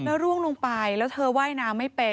แล้วเจ้ากระว้นน้ำไม่เป็น